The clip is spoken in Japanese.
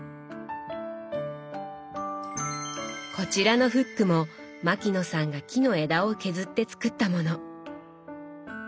こちらのフックも牧野さんが木の枝を削って作ったもの。